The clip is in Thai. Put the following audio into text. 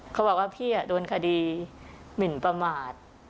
เขาบอกว่าพี่โดนคดีหมินประมาท